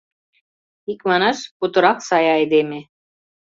Икманаш, путырак сай айдеме.